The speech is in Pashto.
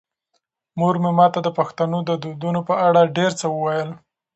مور مې ماته د پښتنو د دودونو په اړه ډېر څه وویل.